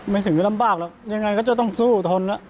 ถึงจะลำบากหรอกยังไงก็จะต้องสู้ทน